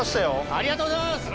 ありがとうございます！